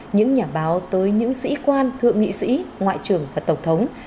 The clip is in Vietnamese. những nhà báo tới những sĩ quan thượng nghị sĩ ngoại trưởng và tổng thống